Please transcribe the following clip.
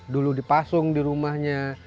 dulu dipasung di rumahnya